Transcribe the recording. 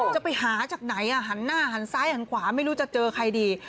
จะไปหาจากไหนหันหน้าหันซ้ายหันขวาไม่รู้จะเจอใครดี